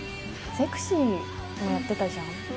『ゼクシィ』もやってたじゃん。